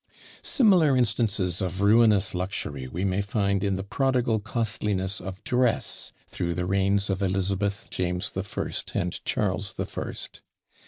Similar instances of ruinous luxury we may find in the prodigal costliness of dress through the reigns of Elizabeth, James the First, and Charles the First.